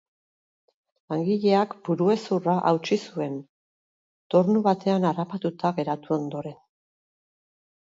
Langileak burezurra hautsi zuen, tornu batean harrapatuta geratu ondoren.